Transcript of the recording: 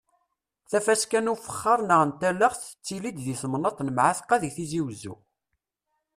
Tafaska n ufexxaṛ neɣ n talaxt tettili-d di temnaḍt n Mɛatqa di Tizi Wezzu.